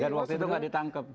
dan waktu itu gak ditangkep